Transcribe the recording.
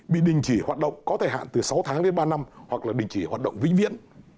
bị đình chỉ hoạt động có thời hạn từ sáu tháng đến ba năm hoặc là đình chỉ hoạt động vĩnh viễn